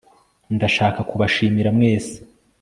ndashaka kubashimira mwese